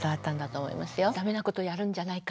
ダメなことやるんじゃないか？